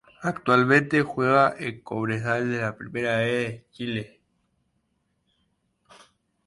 Actualmente juega en Cobresal de la Primera B de Chile.